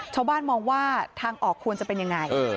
ชาวบ้านมองว่าทางออกควรจะเป็นยังไง